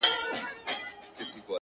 د حالاتو د گردو له تکثره”